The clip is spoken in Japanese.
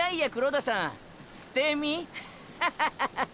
ッハハハハ！